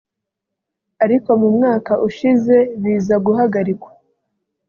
ariko mu mwaka ushize biza guhagarikwa